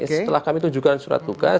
setelah kami tunjukkan surat tugas